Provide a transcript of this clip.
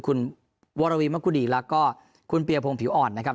คุณวรวีมะกุดีแล้วก็คุณเปียพงศ์ผิวอ่อนนะครับ